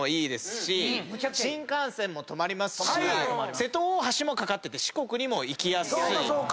新幹線も止まりますし瀬戸大橋も架かってて四国にも行きやすい。